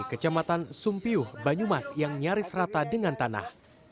kecamatan sumpiuh banyumas yang nyaris rata dengan tanah